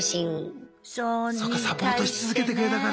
そうかサポートし続けてくれたから。